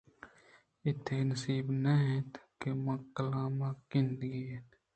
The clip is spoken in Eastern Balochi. اے تئی نصیب نہِ انت کہ من ءَ کلام گندگی اِنت